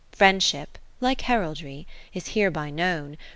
(553) Friendship (like Heraldry) is hereby known.